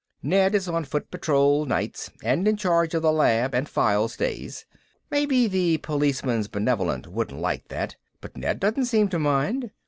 Ned is on foot patrol nights and in charge of the lab and files days. Maybe the Policeman's Benevolent wouldn't like that, but Ned doesn't seem to mind.